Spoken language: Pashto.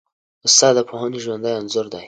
استاد د پوهنې ژوندی انځور دی.